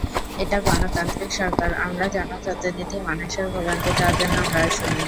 এটা গণতান্ত্রিক সরকার, আমরা জনপ্রতিনিধি, মানুষের ভোগান্তি দেওয়ার জন্য আমরা আসিনি।